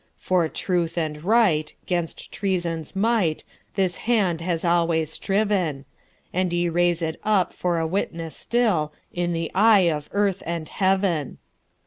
For truth and right, 'gainst treason's might, This hand hath always striven, And ye raise it up for a witness stillIn the eye of earth and heaven.